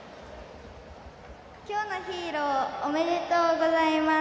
今日のヒーローおめでとうございます。